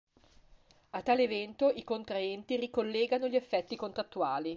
A tale evento, i contraenti ricollegano gli effetti contrattuali.